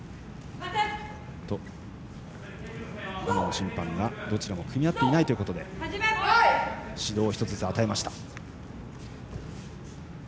審判が、どちらも組み合っていないということで指導を１つずつ与えました。